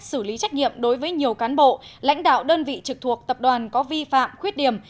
xử lý trách nhiệm đối với nhiều cán bộ lãnh đạo đơn vị trực thuộc tập đoàn có vi phạm khuyết điểm